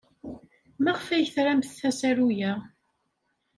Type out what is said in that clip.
Maɣef ay tramt asaru-a?